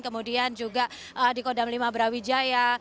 kemudian juga di kodam lima brawijaya